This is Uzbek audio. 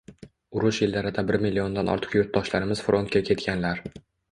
Urush yillarida bir milliondan ortiq yurtdoshlarimiz frontga ketganlar.